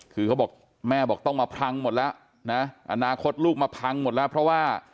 คือเขาบอกแม่บอกต้องมาพังหมดแล้วนะอนาคตลูกมาพังหมดแล้วเพราะว่า